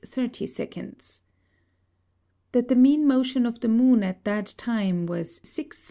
30 seconds. That the mean Motion of the Moon at that time, was 6 S.